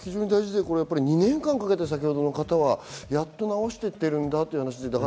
２年間かけて、先ほどの方はやっと治していっているという話でした。